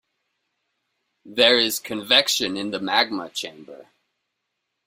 There is convection in the magma chamber.